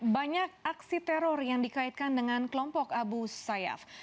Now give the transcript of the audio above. banyak aksi teror yang dikaitkan dengan kelompok abu sayyaf